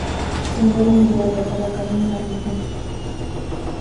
Ծնվել է հրեա վաճառականի ընտանիքում։